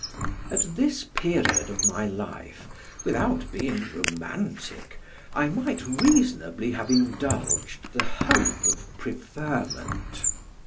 At this period of my life, without being romantic, I might reasonably have indulged the hope of preferment.